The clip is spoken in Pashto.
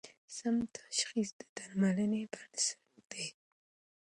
سم تشخیص د درملنې بنسټ دی.